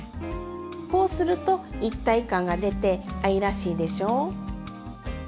こうすると一体感が出て愛らしいでしょ！